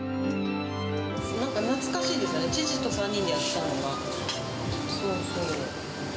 なんか懐かしいですよね、父と３人でやってたのが。